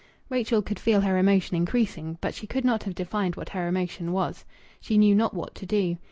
Rachel could feel her emotion increasing, but she could not have defined what her emotion was. She knew not what to do.